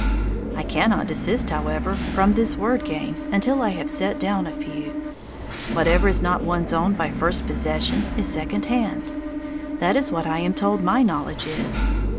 I cannot desist, however, from this word game until I have set down a few. Whatever is not one's own by first possession is second hand. That is what I am told my knowledge is.